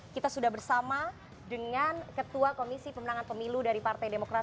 kita sudah bersama dengan ketua komisi pemenangan pemilu dari partai demokrat